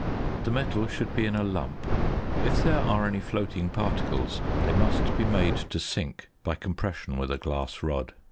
The metal should be in a lump; if there are any floating particles they must be made to sink by compression with a glass rod.